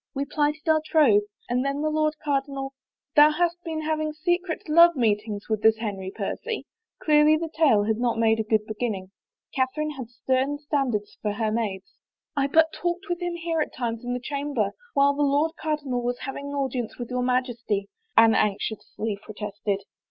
We plighted our troth. And then the Lord Cardinal —"" Thou hast been having secret love meetings with this Henry Percy ?" Clearly the tale had not made a good beginning. Catherine had stem standards for her maids. " I but talked with him here at times in the chamber while the Lord Cardinal was having audience with your Highness," Anne anxiously protested.